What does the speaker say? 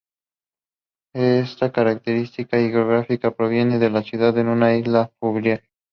Está característica hidrográfica convierte a la ciudad en una "isla fluvial".